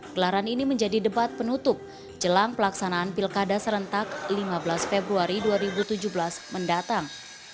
gelaran ini menjadi debat penutup jelang pelaksanaan pilkada serentak lima belas februari dua ribu tujuh belas mendatang